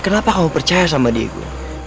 kenapa kamu percaya sama diaku